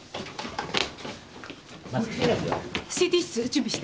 ＣＴ室準備して。